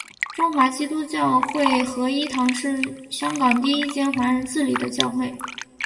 中华基督教会合一堂是香港第一间华人自理的教会。